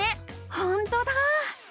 ほんとだ。